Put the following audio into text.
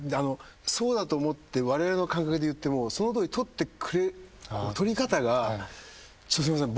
そうだと思ってわれわれの感覚で言ってもそのとおり取ってくれ取り方がすいません